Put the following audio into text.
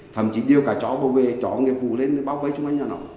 thậm chí đưa cả chó bảo vệ chó nghiệp vụ lên báo vấy chúng anh nhà nó